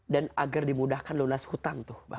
dan agar dimudahkan lunas hutang tuh